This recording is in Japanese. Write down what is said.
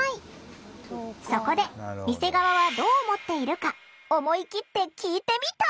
そこで店側はどう思っているか思い切って聞いてみた。